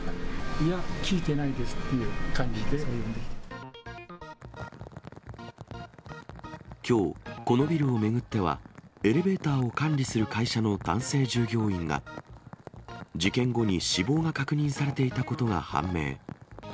いや、聞いてないですっていきょう、このビルを巡っては、エレベーターを管理する会社の男性従業員が、事件後に死亡が確認されていたことが判明。